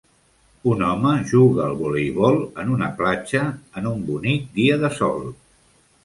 Un home juga al voleibol en una platja en un bonic dia de sol.